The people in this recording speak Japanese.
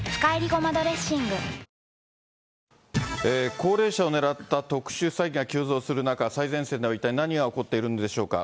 高齢者を狙った特殊詐欺が急増する中、最前線では一体、何が起こっているんでしょうか。